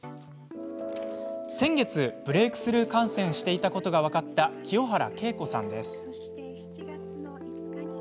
先月、ブレークスルー感染していたことが分かった清原慶子さんです。